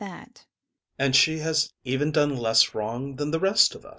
And she has even done less wrong than the rest of us.